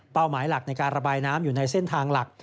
หมายหลักในการระบายน้ำอยู่ในเส้นทางหลัก